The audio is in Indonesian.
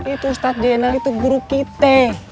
itu ustadz dennel itu guru kita